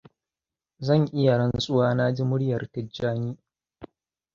Zan iya rantsuwa na ji muryar Tijjani.